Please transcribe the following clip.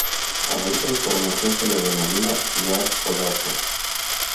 A esta información se le denomina Lead o Dato.